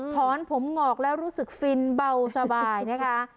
ถอนผมงอกแล้วรู้สึกฟินเบาสบายนะคะ